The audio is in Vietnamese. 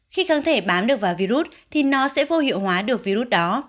khi kháng thể bán được vào virus thì nó sẽ vô hiệu hóa được virus đó